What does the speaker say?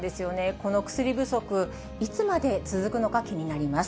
この薬不足、いつまで続くのか、気になります。